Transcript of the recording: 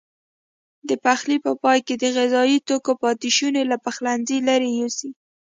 د پخلي په پای کې د غذايي توکو پاتې شونې له پخلنځي لیرې یوسئ.